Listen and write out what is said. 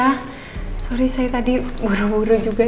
maaf saya tadi buru buru juga